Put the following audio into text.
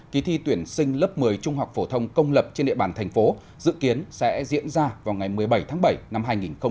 kỳ thi tuyển sinh lớp một mươi trung học phổ thông công lập trên địa bàn thành phố dự kiến sẽ diễn ra vào ngày một mươi bảy tháng bảy năm hai nghìn hai mươi